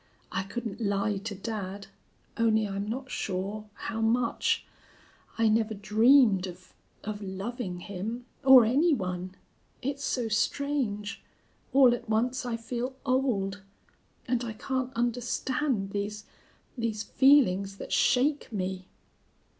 I couldn't lie to dad. Only I'm not sure how much. I never dreamed of of loving him, or any one. It's so strange. All at once I feel old. And I can't understand these these feelings that shake me."